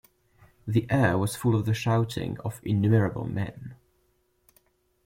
The air was full of the shouting of innumerable men.